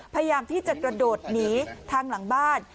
พยายามที่จะกระโดดหนีทางหลังบ้าน